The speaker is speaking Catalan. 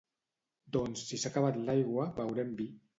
Doncs si s'ha acabat l'aigua veurem vi